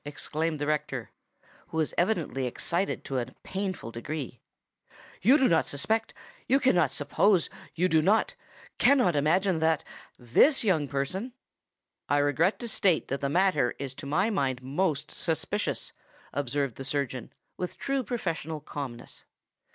exclaimed the rector, who was evidently excited to a painful degree, "you do not suspect—you cannot suppose—you do not—cannot imagine that—this young person——" "I regret to state that the matter is to my mind most suspicious," observed the surgeon, with true professional calmness.